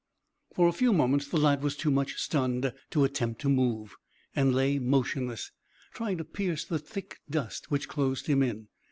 For a few moments the lad was too much stunned to attempt to move, and lay motionless, trying to pierce the thick dust which closed him in.